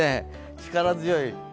力強い。